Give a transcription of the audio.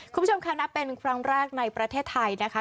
คุณผู้ชมค่ะนับเป็นครั้งแรกในประเทศไทยนะคะ